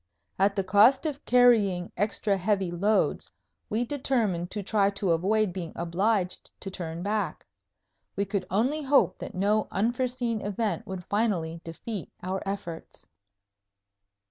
At the cost of carrying extra heavy loads we determined to try to avoid being obliged to turn back. We could only hope that no unforeseen event would finally defeat our efforts.